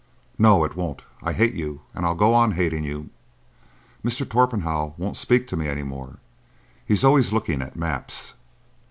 "No, it won't! I hate you, and I'll go on hating you. Mr. Torpenhow won't speak to me any more. He's always looking at maps."